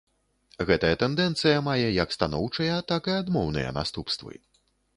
Гэтая тэндэнцыя мае як станоўчыя, так і адмоўныя наступствы.